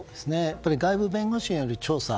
外部弁護士による調査